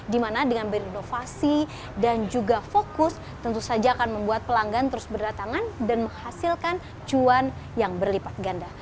dimana dengan berinovasi dan juga fokus tentu saja akan membuat pelanggan terus berdatangan dan menghasilkan cuan yang berlipat ganda